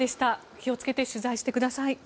気をつけて取材してください。